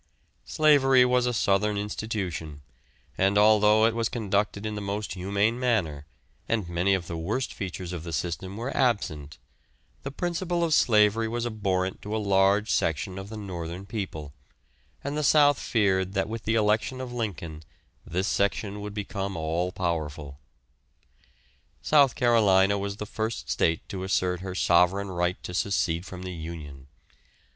Slavery was a southern institution, and although it was conducted in the most humane manner, and many of the worst features of the system were absent, the principle of slavery was abhorrent to a large section of the northern people, and the south feared that with the election of Lincoln this section would become all powerful. South Carolina was the first state to assert her sovereign right to secede from the union.